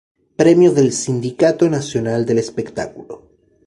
Premio del Sindicato Nacional del Espectáculo.